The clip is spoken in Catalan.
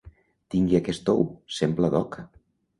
Tingui aquest ou, sembla d’oca.